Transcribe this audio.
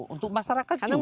untuk masyarakat juga